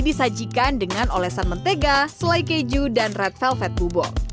disajikan dengan olesan mentega selai keju dan red velvet bubol